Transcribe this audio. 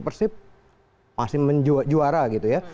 persib masih menjuara gitu ya